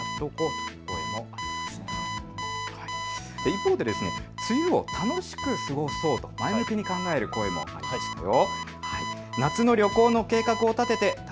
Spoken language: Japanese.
一方で梅雨を楽しく過ごそうと前向きに考える声もありましたよ。